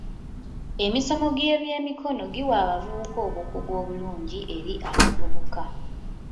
Emisomo gy'ebyemikono giwa abavubuka obukugu obulungi eri abavubuka.